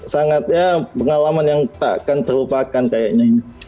sangat ya pengalaman yang tak akan terlupakan kayaknya ini